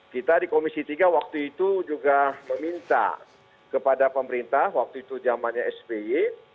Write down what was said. kita di komisi tiga waktu itu juga meminta kepada pemerintah waktu itu jamannya sby